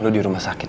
lu di rumah sakit